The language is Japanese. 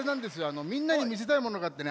あのみんなにみせたいものがあってね